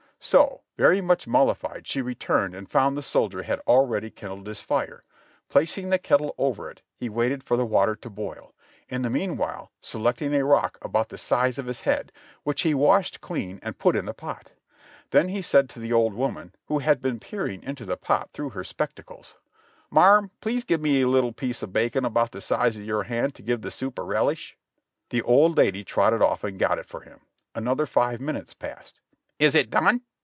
So, very much mollified, she re turned and found the soldier had already kindled his fire ; plac ing the kettle over it he waited for the water to boil, in the meanwhile selecting a rock about the size of his head, which he washed clean and put in the pot; then he said to the old woman, who had been peering into the pot through her spectacles : "Marm, please give me a leetle piece of bacon about the size of your hand to give the soup a relish." The old lady trotted off and got it for him ; another five min utes passed. "Is it done?"